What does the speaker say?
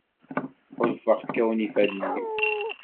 Ḥulfaɣ kkawen ifadden-iw.